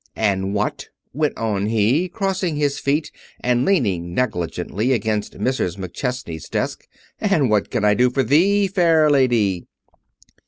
"And what," went on he, crossing his feet and leaning negligently against Mrs. McChesney's desk, "and what can I do for thee, fair lady?"